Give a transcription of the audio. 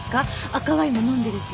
赤ワインも飲んでるし。